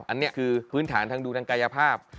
อันนี้คือพื้นฐานทางดูทางกายภาพ